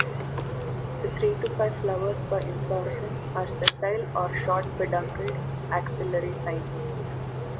The three to five flowers per inflorescence are sessile or short-peduncled axillary cymes.